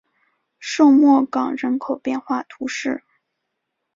圣莫冈人口变化图示